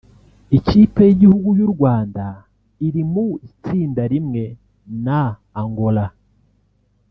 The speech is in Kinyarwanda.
Ikipe y’igihugu y’u Rwanda iri mu itsinda rimwe na Angola